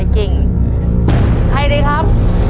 ใครดีครับ